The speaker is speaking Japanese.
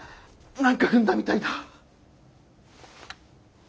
何か踏んだみたいだ。